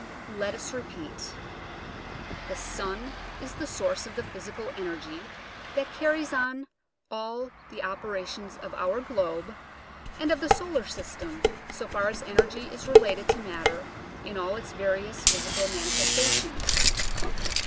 Let us repeat: the sun is the source of the physical energy that carries on all the opera tions of our globe and of the solar system, so far as energy is related to matter in all its various physical manifestations.